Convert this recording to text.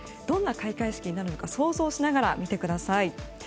どんな開会式になるのか想像しながら見てください。